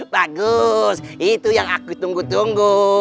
bagus itu yang aku tunggu tunggu